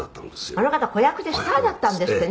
「あの方子役でスターだったんですってね